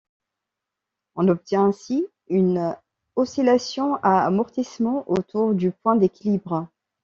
On obtient ainsi une oscillation à amortissement autour du point d'équilibre.